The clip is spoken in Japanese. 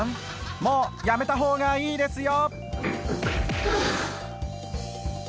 もうやめた方がいいですよ